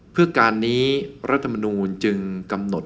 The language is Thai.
เพื่อการนี้รัฐมนูลจึงกำหนด